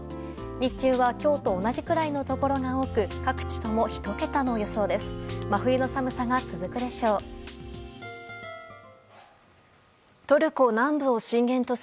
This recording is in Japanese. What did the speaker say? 日中は今日と同じくらいのところが多く各地とも１桁の予想です。